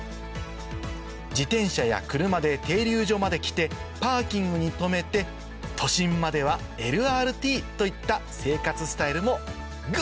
自転車や車で停留場まで来てパーキングに止めて都心まではＬＲＴといった生活スタイルもグ！